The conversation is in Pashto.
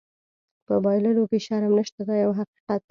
په بایللو کې شرم نشته دا یو حقیقت دی.